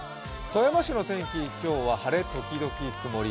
富山市の天気、今日は晴れ時々曇り。